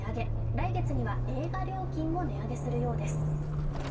来月には映画料金も値上げするようです。